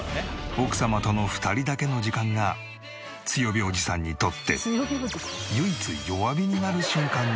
奥様との２人だけの時間が強火おじさんにとって唯一弱火になる瞬間なんだそう。